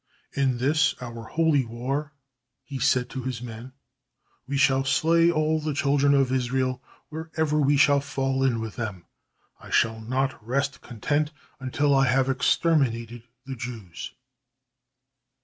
"In this, our Holy War," he said to his men, "we shall slay all the children of Israel wherever we shall fall in with them. I shall not rest content until I have exterminated the Jews."